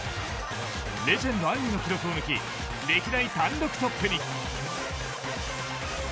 レジェンド・アンリの記録を抜き歴代単独トップに。